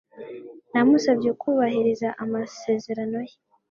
Namusabye kubahiriza amasezerano ye.